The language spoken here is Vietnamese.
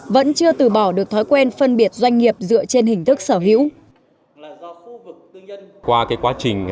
vẫn chưa từ bỏ được thói quen phân biệt doanh nghiệp dựa trên hình thức sở hữu